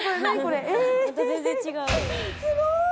えすごい！